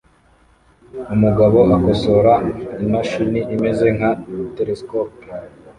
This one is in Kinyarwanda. Umugabo akosora imashini imeze nka telesikope